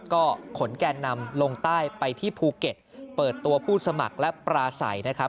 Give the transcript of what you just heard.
ก็ขนแกนนำลงใต้ไปที่ภูเก็ตเปิดตัวผู้สมัครและปราศัยนะครับ